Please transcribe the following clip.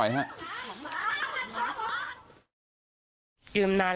ไหมอ่ะ